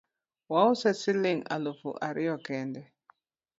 Wause siling alufu ariyo kende